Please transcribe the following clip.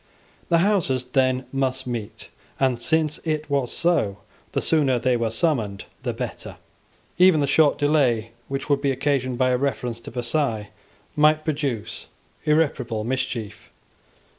The Houses then must meet; and since it was so, the sooner they were summoned the better. Even the short delay which would be occasioned by a reference to Versailles might produce irreparable mischief.